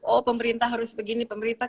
oh pemerintah harus begini pemerintah